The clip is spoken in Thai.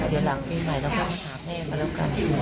เดี๋ยวหลังปีใหม่เราก็มาหาแม่มาแล้วกัน